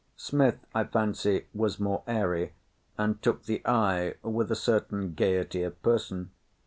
Smith, I fancy, was more airy, and took the eye with a certain gaiety of person.